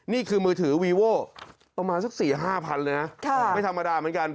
นี่คือมือถือวีโว่ประมาณสัก๔๕พันเลยนะไม่ธรรมดาเหมือนกัน